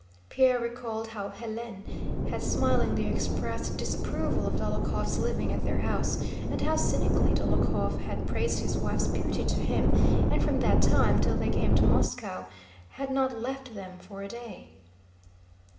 Pierre recalled how Hélène had smilingly expressed disapproval of Dólokhov's living at their house, and how cynically Dólokhov had praised his wife's beauty to him and from that time till they came to Moscow had not left them for a day.